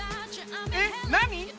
えっ何？